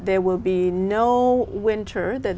trường hợp của cô